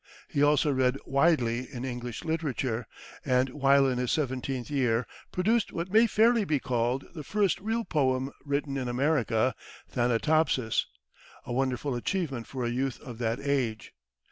He also read widely in English literature, and while in his seventeenth year produced what may fairly be called the first real poem written in America, "Thanatopsis," a wonderful achievement for a youth of that age.